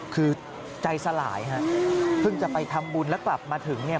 คือใจสลายฮะเพิ่งจะไปทำบุญแล้วกลับมาถึงเนี่ย